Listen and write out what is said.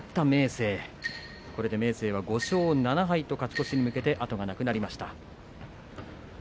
明生は５勝７敗と勝ち越しまで後がなくなりました。